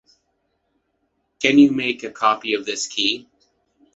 Can you make a copy of this key?